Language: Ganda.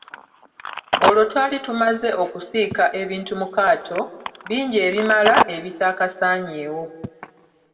Olwo twali tumaze okusiika ebintu mu kaato, bingi ebimala ebitaakasaanyeewo.